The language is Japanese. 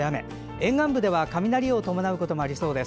沿岸部では雷を伴うこともありそうです。